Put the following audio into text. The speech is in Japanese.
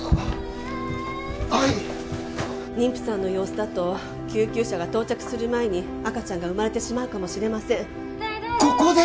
はい妊婦さんの様子だと救急車が到着する前に赤ちゃんが生まれてしまうかもしれませんここで？